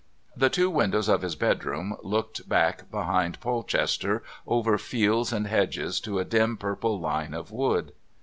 The two windows of his bedroom looked back behind Polchester over fields and hedges to a dim purple line of wood.